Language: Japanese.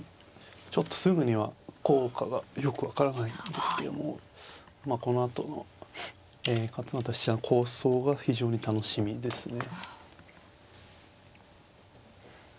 ちょっとすぐには効果がよく分からないんですけどもこのあとの勝又七段の構想が非常に楽しみですね。